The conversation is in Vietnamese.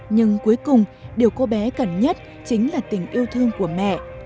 nhưng cuối cùng điều cô bé cần nhất chính là tình yêu thương của mẹ